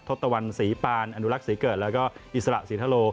ทศตวรรณศรีปานอนุรักษ์ศรีเกิดแล้วก็อิสระศรีทะโล